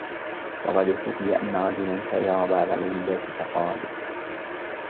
وَقَدْ حُكِيَ أَنَّ رَجُلًا سَايَرَ بَعْضَ الْوُلَاةِ فَقَالَ